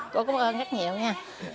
cô cũng ơn rất nhiều nha